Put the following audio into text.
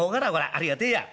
ありがてえや」。